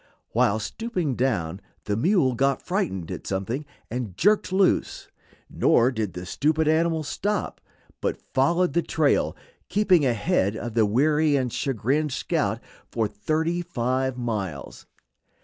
While stooping down the mule got frightened at something and jerked loose; nor did the stupid animal stop, but followed the trail, keeping ahead of the weary and chagrined scout for thirty five miles.